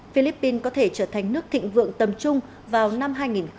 philippines có thể trở thành nước thịnh vượng tầm trung vào năm hai nghìn ba mươi